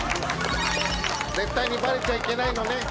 絶対にバレちゃいけないのねん。